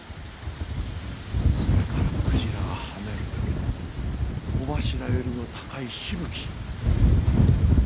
それからクジラが跳ねる時の帆柱よりも高いしぶき。